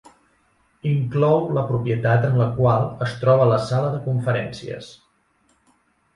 Inclou la propietat en la qual es troba la sala de conferències.